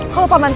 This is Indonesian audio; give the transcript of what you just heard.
kalau pak banta